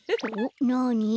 なに？